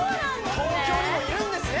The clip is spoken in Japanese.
東京にもいるんですね